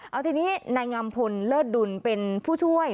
เอาทีนี้นายงามพลเลิศดุลเป็นผู้ช่วย